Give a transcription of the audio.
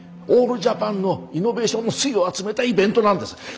オールジャパンのイノベーションの粋を集めたイベントなんです。